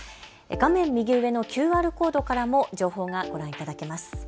画面右上のＱＲコードからも情報がご覧いただけます。